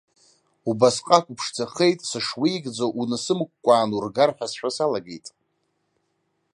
Убасҟак уԥшӡахеит, сышуеигӡо унасымкәкәаан ургар ҳәа сшәо салагеит.